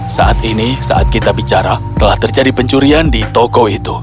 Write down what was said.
saat ini saat kita bicara telah terjadi pencurian di toko itu